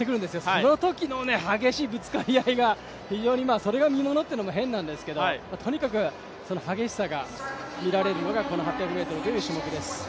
そのときの激しいぶつかり合いが非常に、それが見ものというのも変なんですけれども、とにかく激しさが見られるのがこの８００ｍという種目です。